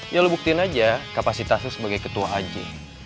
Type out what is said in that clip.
ya lo buktiin aja kapasitasnya sebagai ketua aja